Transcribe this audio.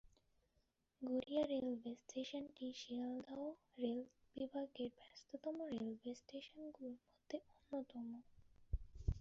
Garia railway স্টেশনটি Sealdah rail বিভাগের ব্যস্ততম রেলওয়ে স্টেশনগুলির মধ্যে অন্যতম।